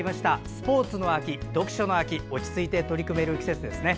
スポーツの秋、読書の秋落ち着いて取り組める季節ですね。